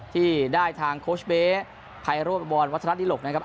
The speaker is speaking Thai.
ที่ได้ทางโค้ชเบ๊ภายโรปบอลวัฒนฤทธิ์หลกนะครับ